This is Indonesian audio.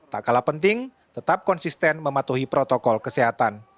tak kalah penting tetap konsisten mematuhi protokol kesehatan